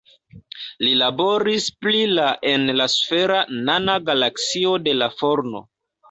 Li laboris pri la en la sfera nana galaksio de la Forno.